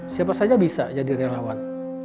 siapa saja bisa jadi relawan